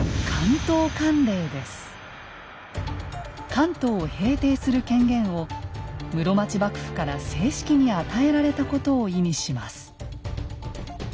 関東を平定する権限を室町幕府から正式に与えられたことを意味します。